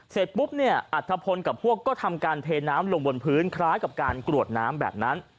เสร็จปุ๊บเนี่ยอัธพลกับพวกก็ทำการเทน้ำลงบนพื้นคล้ายกับการกรวดน้ำแบบนั้น